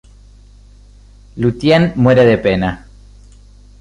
Lúthien muere de pena.